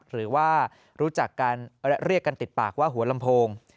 หรือว่ารู้จักกันและเรียกกันติดปากว่าหัวลำโพง